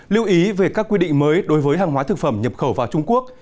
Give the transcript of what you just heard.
lưu ý về các quy định mới đối với hàng hóa thực phẩm nhập khẩu vào trung quốc